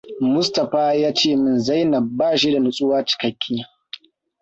Mustapha ya ce min Zainab ba shi da nutsuwa cikekke.